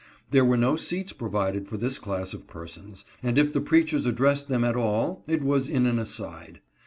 There were no seats provided for this class of persons, and if the preachers addressed them at all, it was in an aside.